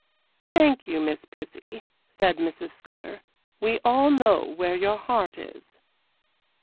'Thank you, Miss Prissy,' said Mrs. Scudder; 'we all know where your heart is.